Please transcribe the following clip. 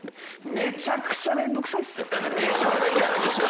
めちゃくちゃ面倒くさいでしょう。